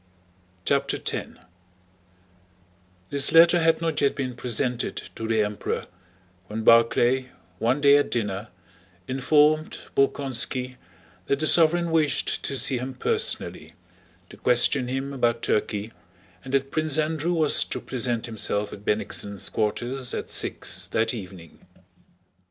CHAPTER X This letter had not yet been presented to the Emperor when Barclay, one day at dinner, informed Bolkónski that the sovereign wished to see him personally, to question him about Turkey, and that Prince Andrew was to present himself at Bennigsen's quarters at six that evening.